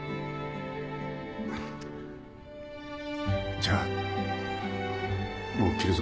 じゃあもう切るぞ。